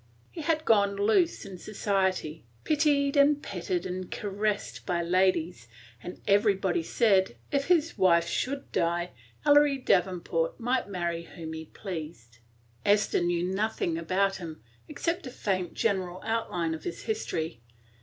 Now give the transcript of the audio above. He had gone loose in society, pitied and petted and caressed by ladies, and everybody said, if his wife should die, Ellery Davenport might marry whom he pleased. Esther knew nothing about him, except a faint general outline of his history.